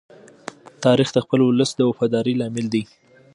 تاریخ د خپل ولس د وفادارۍ لامل دی.